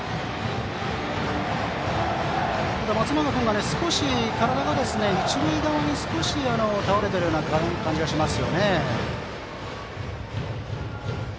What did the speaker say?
松永君、少し体が一塁側に倒れているような感じがします。